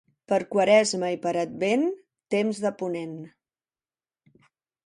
Per Quaresma i per Advent, temps de ponent.